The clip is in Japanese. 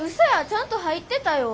ちゃんと入ってたよ。